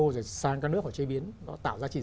với cả lâu dài